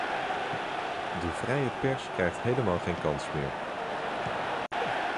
De vrije pers krijgt helemaal geen kans meer.